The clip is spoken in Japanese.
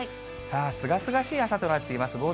さあ、すがすがしい朝となっています。